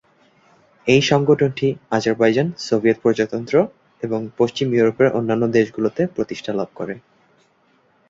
এই সংগঠনটি Azerbaijan, Soviet প্রজাতন্ত্র এবং পশ্চিম ইউরোপের অন্যান্য দেশগুলোতে প্রতিষ্ঠা লাভ করে।